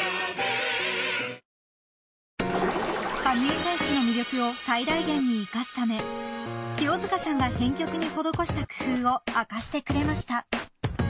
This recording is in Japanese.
［羽生選手の魅力を最大限に生かすため清塚さんが編曲に施した工夫を明かしてくれました］